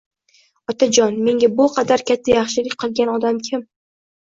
Otajon, menga bu qadar katta yaxshilik qilgan odam kim